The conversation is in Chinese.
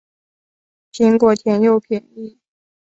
苹果甜又便宜